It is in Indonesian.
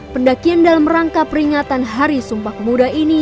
pendakian dalam rangka peringatan hari sumpah pemuda ini